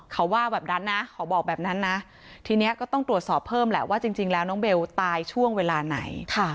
เขาว่าแบบนั้นนะขอบอกแบบนั้นนะทีนี้ก็ต้องตรวจสอบเพิ่มแหละว่าจริงแล้วน้องเบลตายช่วงเวลาไหน